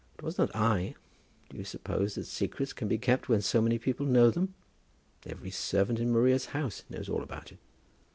It was not I. Do you suppose that secrets can be kept when so many people know them? Every servant in Maria's house knows all about it."